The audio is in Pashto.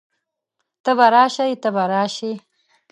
ته به راشئ، ته به راشې